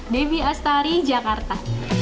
debbie astari jakarta